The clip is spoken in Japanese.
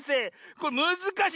これむずかしい！